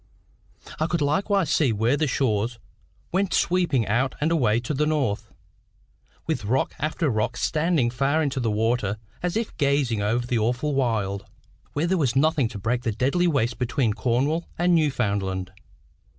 I could likewise see where the shore went sweeping out and away to the north, with rock after rock standing far into the water, as if gazing over the awful wild, where there was nothing to break the deathly waste between Cornwall and Newfoundland.